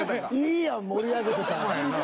いいやん盛り上げてたら。